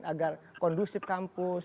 agar kondusif kampus